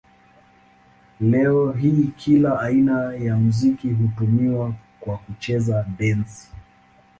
Leo hii kila aina ya muziki hutumiwa kwa kucheza dansi.